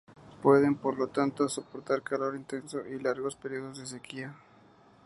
Pueden por lo tanto soportar calor intenso y largos periodos de sequía.